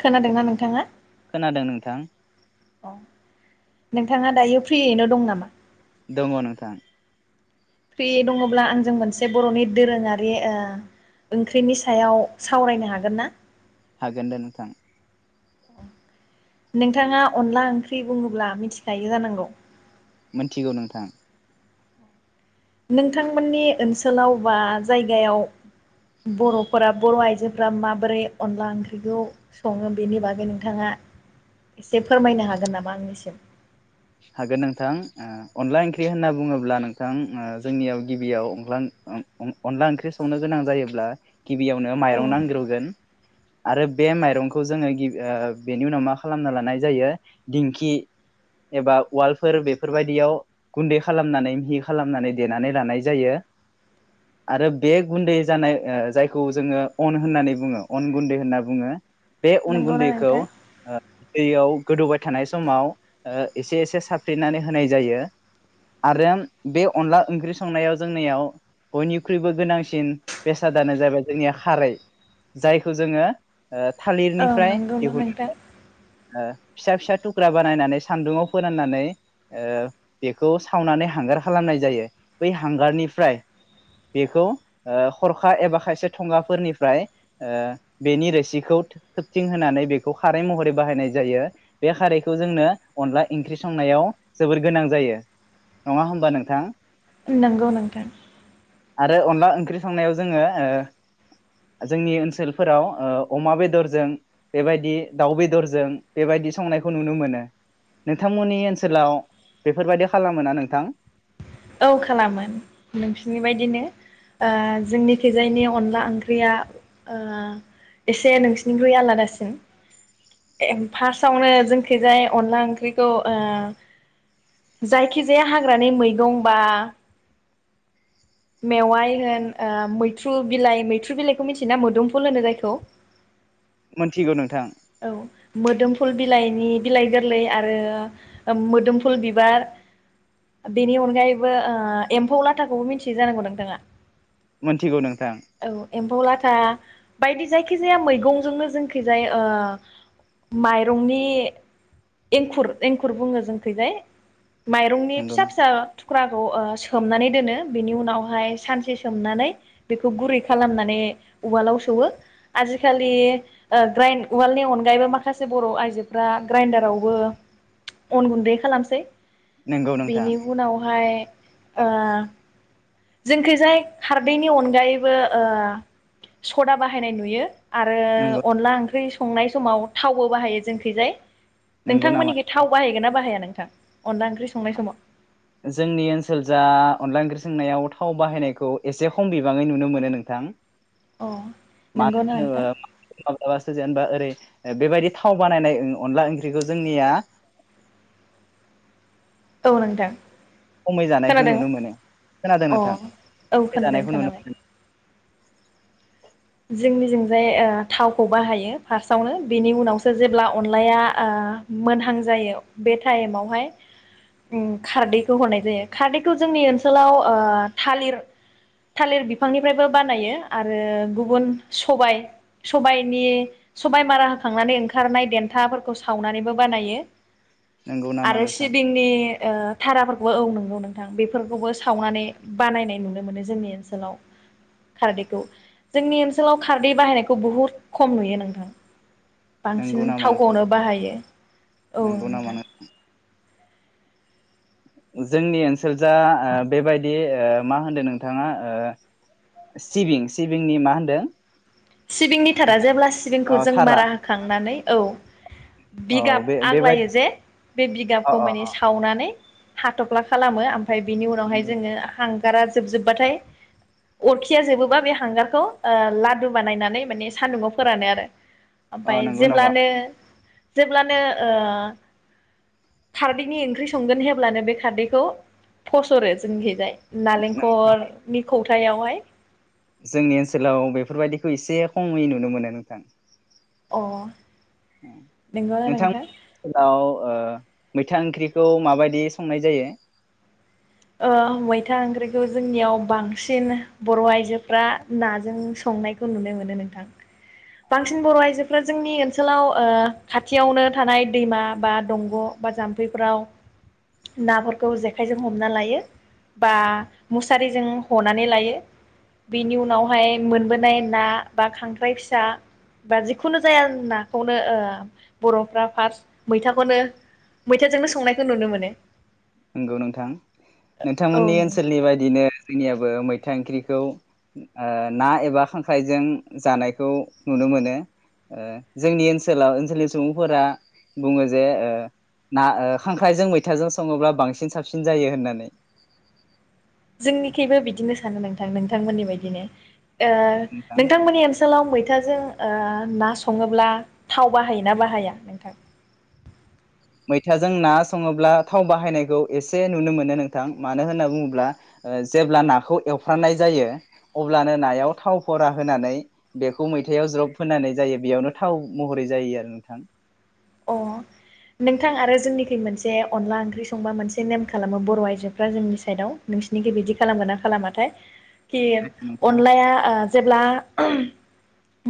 खोनादोंना खोनादों नोंथां। अ नोंथाङा दायो फ्रियैनो दं नामा? दङ नोंथां। फ्रि दङब्ला आंजों मोनसे बर'नि दोरोङारि ओ ओंख्रिनि सायाव सावरायनो हागोन ना? हागोन दे नोंथां। नोंथाङा अनला ओंख्रि बुङोब्ला मिथिखायो जानांगौ मोनथिगौ नोंथां। नोंथांमोननि ओनसोलाव बा जायगायाव बर'फोरा बर' आइजोफोरा माबोरै अनला ओंख्रिखौ सङो बेनि बागै नोंथाङा एसे फोरमायनो हागोन नामा आंनिसिम? हागोन नोंथां ओ अनला ओंख्रि होनना बुङोब्ला नोंथां ओ जोंनियाव गिबियाव अंलां अं अं अनला ओंख्रि संनो गोनां जायोब्ला गिबियावनो औ माइरं नांग्रोगोन आरो बे माइरंखौ जोङो गि ओ बेनि उनाव मा खालामना लानाय जायो दिंखि एबा उवालफोर बेफोरबायदियाव गुन्दै खालामनानै मिहि खालामनानै देनानै लानाय जायो आरो बे गुन्दै जानाय ओ जायखौ जोंङो अन होननानै बुङो अन गुन्दै होनना बुंङो। बे अन नंगौना गुन्दैखौ नोंथां? ओ दैयाव गोदौबाय थानाय समाव ओ एसे एसे साफ्रेनानै होनाय जायो आरो बे अनला ओंख्रि संनायाव जोंनियाव बयनिख्रुइबो गोनांसिन बेसादानो जाबाय जोंनिया खारै, जायखौ जोङो ओ औ थालिरनिफ्राय नंगौना नोंथां? दिहुनो। ओ फिसा फिसा थुख्रा बानायनानै सान्दुंआव फोराननानै ओ बेखौ सावनानै हांगार खालामनाय जायो बै हांगारनिफ्राय बेखौ हरखा एबा खायसे थंगाफोरनिफ्राय ओ बेनि रोसिखौ थोबथिं होनानै बेखौ खारै महरै बाहायनाय जायो बे खारैखौ जोंनो अनला इंख्रि संनायाव जोबोर गोनां जायो नङा होमबा नोंथां? नंगौ नोंथां। आरो अनला ओंख्रि संनायाव जोङो ओ जोंनि ओनसोलफोराव ओ अमा बेदरजों बेबायदि दाउ बेदरज जों बेबायदि संनायखौ नुनो मोनो नोंथांमोननि ओनसोलाव बेफोरबायदि खालामो ना नोंथां? औ खालामो नोंसिनि बायदिनो ओ जोंनिखैजायनि अनला ओंख्रिया ओ एसे नोंसिनिख्रुइ आलादासिन फार्स्टआवनो जोंखैजाय अनला ओंख्रिखौ ओ जायखिजाया हाग्रानि मैगं बा मेवाइ होन ओ मैथ्रु बिलाइ मैथ्रु बिलाइखौ मिथियोना मोदोमफुल होनो जायखौ? मोनथिगौ नोंथां। औ मोदोमफुल बिलाइनि बिलाइ गोरलै आरो मोदोमफुल बिबार बेनि अनगायैबो ओ एम्फौ लाथाखौबो मिथियो जानांगौ नोंथाङा? मोनथिगौ नोंथां औ एम्फौ लाथा बायदि जायखि जाया मैगंजोंनो जोंखैजाय ओ माइरंनि एंखुर एंखुर बुङो जोंखैजाय। माइरंनि नंगौ फिसा नोंथां फिसा थुख्रा खौ ओ सोमनानै दोनो बेनि उनावहाय सानसे सोमनानै बेखौ गुरै खालामनानै उवालाव सौयो आजिखालि ओ ग्राइन्द उवालनि अनगायैबो माखासे बर'आइजोफ्रा ग्राइन्दारावबो अन गुन्दै खालामसै। नंगौ नोंथां बेनि उनावहाय ओ जोंखैजाय खारदैनि अनगायैबो ओ सदा बाहायनाय नुयो आरो नंगौ अनला ओंख्रि सं संनाय समाव थावबो बाहायो जोंखैजाय नंगौ नामा नोंथांमोननिखै थाव बाहायगोन ना बाहाया नो थां अनदला ओंख्रि संनाय समाव जोंनि ओनसोल जा अनला ओंख्रि संनायाव थाव बाहायनायखौ एसे खम बिबाङै नुनो मोनो नोंथां अ मा नंगौना होनो नोंथां ओ सो जेनबा ओरै बेबायदि थाव बानायनाय अनला ओंख्रिखौ जोंनिया औ नोंथां खमै जानायखौ खोनादों नुनो अ मोनो खोनादों नोंथां औ खम खोनादों जानायखौ नुनो खोनाबाय मोनो। जोंनिजोंजाय ओ थावखौ बाहायो फार्स्टआवनो बेनि उनावसो जेब्ला अनलाया ओ मोनहां जायो बे टाइमावहाय उम खारदैखौ हरनाय जायो खारदैखौ जोंनि ओनसोलाव ओ थालिर थालिर बिफांनिफ्रायबो बानायो आरो गुबु गुबुन सबाय सबायनि सबाय मारा होखांनानै ओंखारनाय देन्थाफोरखौ सावनानैबो बानायो नंगौ नामा आरो नोंथां सिबिंनि थाराफोरखौबो औ नंगौ नोंथां बेफोरखौबो सावनानै बानायनाय नुनो मोनो जोंनि ओनसोलाव खारदैखौ जोंनि ओनसोलाव खारदै बाहायनायखौ बुहुद खम नुयो नोंथां नंगौ बांसिन नामा नोंथां थावखौनो बाहायो औ नंगौ नामा नोंथां जोंनि ओनसोल जा बेबायदि मा होनदों नोंथाङा सिबिं सिबिंनि मा होनदों सिबिंनि थारा जेब्ला। अ थारा औ बे बेबायदि अ अ हाथफ्ला खालामो। ओमफ्राय बिनि उनावहाय नंगौ जोङो हां गारा जोबजोबबाथाय अरखिया जोबोब्ला बे हांगारखौ ओ ला दु बानायनानै माने सान्दुङाव फोरानो आरो अ ओमफाय नंगौ नामा जेब्लानो जेब्लानो ओ खारदैनि ओंख्रि संगोन हब्लानो बे खारदैखौ फसरो जोंनिहैजाय। नालेंखरनि खथायावहाय। जोंनि ओनसोलाव बेफोरबायदिखौ एसे खमै नुनो मोनो नोंथां। अ नंगौना नोंथां ओ मैथा ओंख्रिखौ माबायदि संनाय जायो? ओ मैथा ओंख्रिखौ जोंनियाव बांसिन बर'आइजोफ्रा नाजों संनायखौ नुनो नोंथां बांसिन बर'आइजोफ्रा जोंनि ओनसोलाव ओ खाथियावनो थानाय दैमा बा दंग' बा जाम्फैफ्राव नाफोरखौ जेखाइजों हम हना लायो बा मुसारिजों हनानै लायो बेनि उनावहाय मोनबोनाय ना बा खांख्राइ फिसा बा जिखुनु जाया नाखौनो ओ बर'फ्रा फार्स्ट मैथाखौनो मैथाजोंनो संनायखौ नुनो मोनो। नंगौ नोंथां औ नोंथांमोननि नों ओनसोलनि बायदिनो जोंनियाबो मैथा ओंख्रिखौ ओ ना एबा खांख्राइजों जानायखौ नुनो मोनो। ओ जोंनि ओनसोलाव ओनसोलनि सुबुंफोरा बुङो जे ओ ना खांख्राइजों मैथाजों सङोब्ला बांसिन साबसिन जायो होननानै। जोंनिखिइबो बिदिनो सानो नोंथां नोंथांमोननि बायदिनो। ओ नोंथां नोंथांमोननि ओनसोलाव मै मैथाजों ओ ना सङोब्ला थाव बाहायोना बाहाया नोंथां? मैथाजों ना संङोब्ला थाव बाहायनायखौ एसे नुनो मोनो नोंथां मानो होनना बुंङोब्ला ओ जेब्ला नाखौ एवफ्रानाय जायो अब्लानो नायाव थाव फरा होनानै बेखौ मैथायाव ज्रब होनानै जायो बेयावनो थाव महरै जायो आरो नोंथां। अ नोंथां आरो जोंनिखै मोनसे अनला ओंख्रि संबा मोनसे नेम खालामो बर' आयजोफ्रा जोंनि साइदआव नोंसिोरनिखै बिदि खालामगोन ना खालामाथाय खि नोंथाङा अनलाया ओ जेब्ला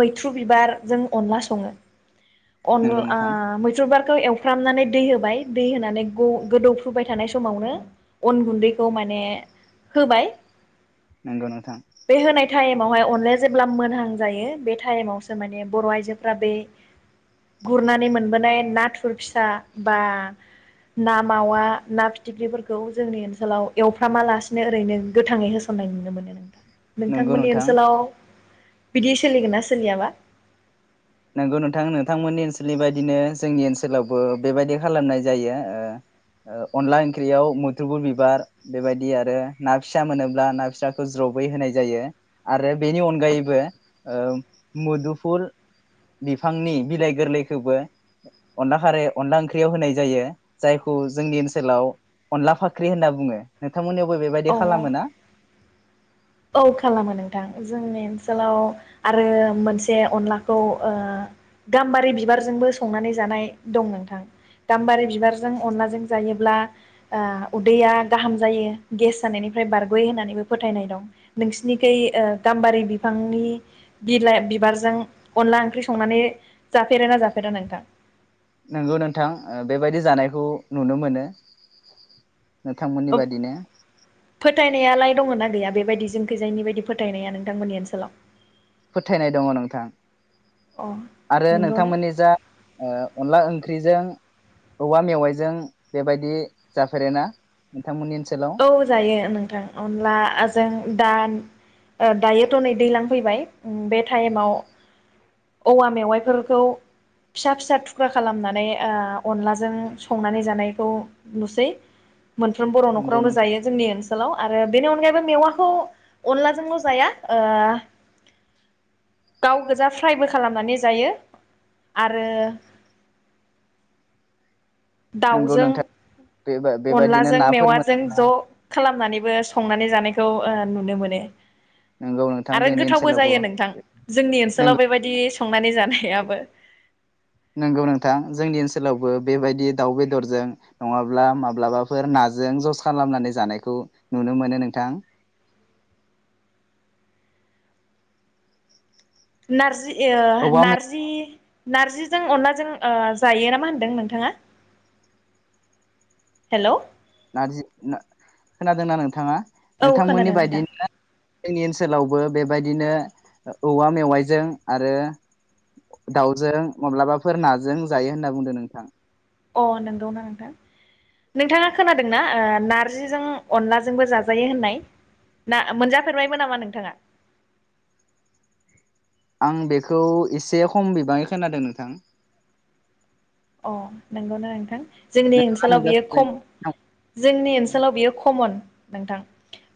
मैथ्रु बिबारजों अनला सङो नंगौ अनला ओ नोंथां मैथ्रु बार खौ एवफ्रामनानै दै होबाय दै होनानै गोदौफ्रुबाय थानाय समावनो अन गुन्दैखौ माने होबाय नंगौ नोंथां [inaudible] बे होनाय टाइम मावाय अनलाया जेब्ला मोनहां जायो बे टाइमावसो माने बर' आइजोफोरा बै गुरनानै मोनबोनाय नाथुर फिसा बा ना मावा ना फिथिख्रिफोरखौ जोंनि ओनसोलाव एवफ्रामालासिनो ओरैनो गोथाङै होसननाय नुनो मोनो नोंथां। नंगौ नोंथांमोननि नोंथां ओनसोलाव बिदि सोलिगोन ना सोलियाबा? नंगौ नोंथां नोंथांमोननि ओनसोलनि बायदिनो जोंनि ओनसोलावबो बेबायदि खालामनाय जायो ओ अनला ओंख्रियाव मुदुफुर बिबार बेबायदि आरो ना फिसा मोनोब्ला ना फिसाखौ ज्रबै होनाय जायो आरो बेनि अनगायैबो ओ मुदुफुल बिफांनि बिलाइ गोरलैखौबो अनला खारै अनला ओंख्रियाव होनाय जायो जायखौ जोंनि ओनसोलाव अनला फाख्रि होनना बुङो। नोंथांमोननियावबो बेबायदि औ औ खालामो ना? औ खालामो नोंथां जोंनि ओनसोलाव आरो मोनसे अनलाखौ ओ गाम्बारि बिबारजोंबो संनानै जानाय दं नोंथां गाम्बारि बिबारजों अनलाजों जायोब्ला ओ उदैया गाहाम जायो गेस जानायनिफ्राय बारग'यो होननानैबो फोथायनाय दं। नोंसिनिखै गाम्बारि बिफांनि बिलाइ बिबारजों अनला ओंख्रि संनानै जाफेरोना जाफेरा नोंथां? नंगौ नोंथां ओ बेबायदि जानायखौ नुनो मोनो। नोंथांमोननि बादि नो फोथायनायालाय दङ ना गैया बेबायदि जोंखैजायनि बायदि फोथायनाया नोंथांमोननि ओनसोलाव? फोथायनाय दङ नोंथां अ आरो नंगौ ना नोंथांमोननि जा ओ अनला ओं ख्रिजों औवा मेवाइजों बेबायदि जाफेरोना? नोंथांमोननि ओनसोलाव औ जायो नोंथां अनलाजों दान ओ दायोथ' नै दैलां फैबाय बे टाइमाव औवा मेवाइफोरखौ फिसा फिसा थुख्रा खालामनानै ओ अनलाजों संनानै जानायखौ नुसै। मोनफ्रोम बर' न नंगौ न'खरावनो नोंथां जायो जोंनि ओन लाव आरो बेनि अनगायैबो मेवाखौ अनलाजोंल' जाया ओ गाव गोजा फ्रायबो खालामनानै जायो। आरो दाव नंगौ जों नोंथां बेबायदिनो अनलाजों नाफोर मोन मेवाजों ज' खालामनानै बो संनानै जानायखौ ओ नुनो मोनो। नंगौ नोंथां आरो जोंनि गोथावबो ओनसोलावबो जायो नोंथां जोंनि नंगौ ओनसोलाव बेबायदि संनानै जानाय खेआबो नंगौ नोंथां जोंनि ओनसोलावबो बेबायदि दाउ बेदरजों नङाब्ला माब्लाबाफोर नाजों जस खालामनानै जानायखौ नुनो मोनो नोंथां। नारजि यो औवा मेव नारजि नारजिजों अनलाजों ओ जायो नामा होनदों नोंथाङा हेल नारजि खोनादोंना नोंथाङा? नोंथांमोननि खोनादों नोंथां बायदिनो जोंनि ओनसोलाव बो बेबायदिनो औवा मेवाइजों आरो दाउजों माब्लाबाफोर नाजों जायो होनना बुंदों नोंथां। अ नंगौना नोंथां नोंथाङा खोनादोंना ओ नारजिजों अनलाजोंबो जाजायो होननाय ना मोनजाफेरबायबो नामा नोंथाङा? आं बेखौ एसे खम बिबाङै खोनादों नोंथां। अ नंगौनो नोंथां। जोंनि नोंथाङा ओनसोलाव बियो मोनजाफेरबाय म जोंनि ओनसोलाव बियो कमन। नोंथां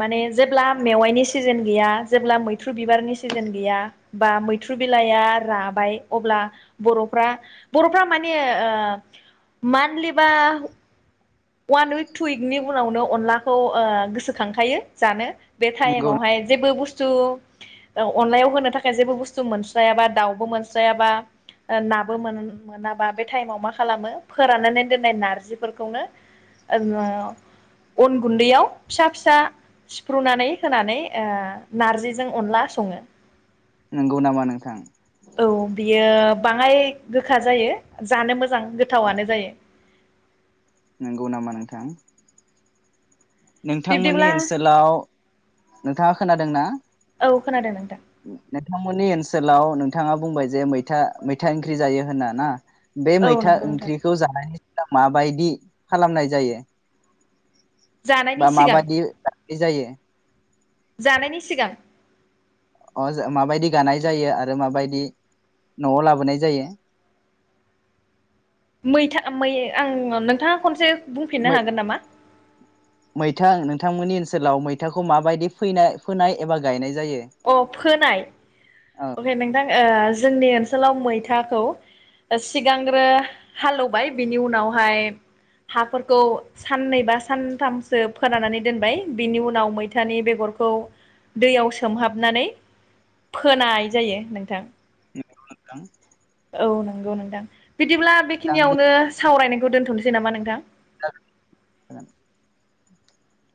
माने जेब्ला मेवाइनि सिजेन गैया जेब्ला मैथ्रु बिबारनि सिजोन गैया बा मैथ्रु बिलाइआ राबाय अब्ला बर' बरफ्रा मानि ओ मानलेबा अआन उइक टु उइकनि उनावनो अनलाखौ ओ गोसोखांखायो जानो। बे टाइम नंगौ आवहाय जेबो बुस्थ बुस्थु अनलायाव होनो थाखाय जेबो बुस्थु मोनस्रायाबा दाउबो मोनस्रायाबा नाबो मोन-मोनाबा बे टाइमाव मा खालामो फोराननानै दोननाय नारजिफोरखौनो अन गुन्दैयाव फिसा फिसा सिफ्रुनानै होनानै ओ नारजिजों अनला सङो। नंगौ नामा नोंथां औ बियो बाङाय गोखा जायो जानो मोज मोजां गोथावनो जायो। नंगौ नामा नोंथां नोंथांमोननि बिब्दिब्ला ओनसोलाव नोंथाङा खोनादों ना? औ खोनादों नोंथां नोंथांमोननि ओनसोलाव नोंथाङा बुंबाय जे मैथा मैथा ओंख्रि जायो होना ना बे औ मैथा नंगौ नोंथां ओंख्रिखौ जानानै माबायदि खालामनाय जायो? जानायनि बा सिगां माबदि जा बिदि जायो जानायनि सिगां अ माबायदि गानाय जायो आरो माबायदि न'आव लाबोनाय जायो। मैथा मै आं नोंथाङा खनसे बुंफिननो मै हागोन नामा? बिथांमोननि ओनसोलाव मैथाखौ माबायदि फैनाय-फोन एबा गायनाय जा अ फोनाय औ अके नोंथां जोंनि ओनसोलाव मैथा खौ सिगांग्रो हालेवबाय बिनि उनावहाय हाफोर सानैबा सनथासो फोरानानै दोनबाय बिनि उनाव मैथानि बेगरखौ दैयाव सोम सोमहाबनानै फोनाय जायो नोंथां। नंगौ नोंथां। औ नंगौ नोंथां बिदिब्ला नोंथां बेखिनियावनो सावरायनाय खौ दोनथसै नामा नोंथां? [inaudible]